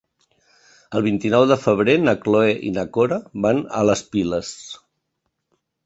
El vint-i-nou de febrer na Cloè i na Cora van a les Piles.